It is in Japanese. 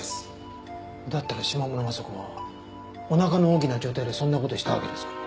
だったら島村昌子はお腹の大きな状態でそんな事したわけですか？